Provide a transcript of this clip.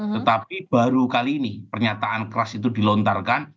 tetapi baru kali ini pernyataan keras itu dilontarkan